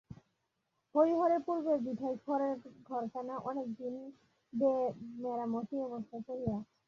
হরিহরের পূর্বের ভিটায় খড়ের ঘরখানা অনেকদিন বে-মেরামতি অবস্থায় পড়িয়া আছে।